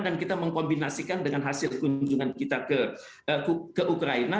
dan kita mengkombinasikan dengan hasil kunjungan kita ke ukraina